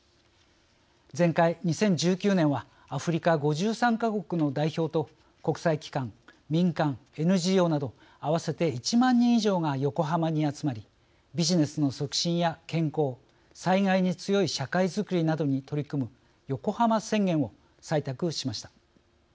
前回２０１９年はアフリカ５３か国の代表と国際機関、民間、ＮＧＯなど合わせて１万人以上が横浜に集まりビジネスの促進や健康災害に強い社会づくりなどに取り組む「横浜宣言」を採択しました。